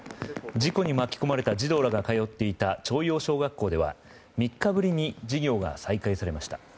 事故に巻き込まれた児童らが通っていた朝陽小学校では３日ぶりに授業が再開されました。